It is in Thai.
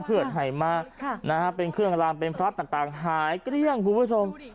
เพื่อนให้มากค่ะนะฮะเป็นเครื่องรางเป็นพลัสต่างต่างหายเกลี้ยงคุณผู้ชม